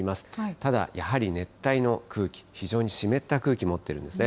ただ、やはり熱帯の空気、非常に湿った空気持ってるんですね。